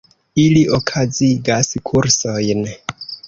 Ili okazigas kursojn.